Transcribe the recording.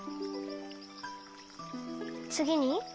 つぎに？